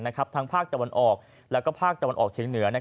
ทั้งภาคตะวันออกและภาคตะวันออกเชียงเหนือ